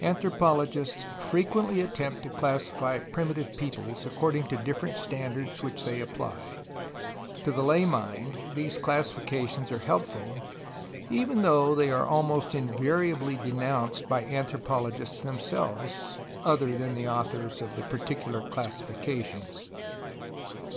Anthropologists frequently attempt to classify primitive peoples according to different standards which they apply. To the lay mind these classifications are helpful, even though they are almost invariably denounced by anthropologists themselves — other than the authors of the particular classi fications.